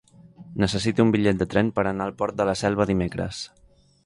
Necessito un bitllet de tren per anar al Port de la Selva dimecres.